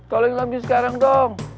tolongin om jin sekarang dong